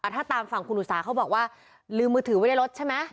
ถ้าตามฝั่งคุณอุตสาเขาบอกว่าลืมมือถือไว้ในรถใช่ไหม